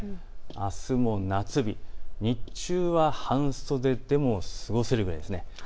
あすも夏日、日中は半袖でも過ごせるくらいです。